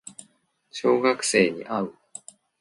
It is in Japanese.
小学生に会う